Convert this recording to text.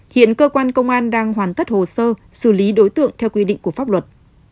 hiện cơ quan công an đang hoàn tất hồ sơ xử lý đối tượng theo quy định của pháp luật